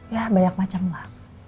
ya banyak macam lah